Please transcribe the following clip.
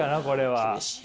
これは。